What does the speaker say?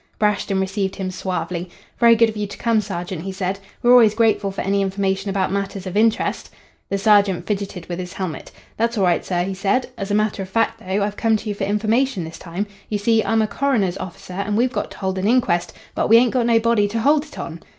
"Brashton received him suavely. 'Very good of you to come, sergeant,' he said. 'We're always grateful for any information about matters of interest.' "The sergeant fidgeted with his helmet. 'That's all right, sir,' he said. 'As a matter of fact, though, I've come to you for information this time. You see, I'm a coroner's officer, and we've got to hold an inquest, but we ain't got no body to hold it on!'